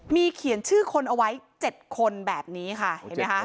มีเขียนชื่อคนเอาไว้๗คนแบบนี้ค่ะเห็นไหมคะ